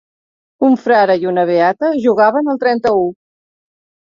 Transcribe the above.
Un frare i una beata jugaven al trenta-u.